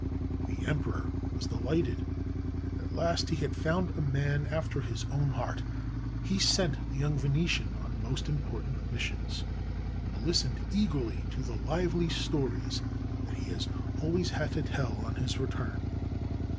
The emperor was delighted. At last he had found a man after his own heart. He sent the young Venetian on most important mis sions, and listened eagerly to the lively stories that he always had to tell on his return.